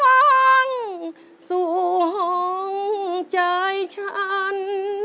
ส่วงใจฉัน